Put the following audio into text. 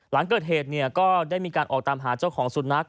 หลังเกิดเหตุก็ได้มีการออกตามหาเจ้าของสุนัข